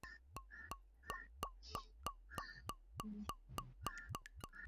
Wanainama, mtakatifu ni wewe Mungu uu.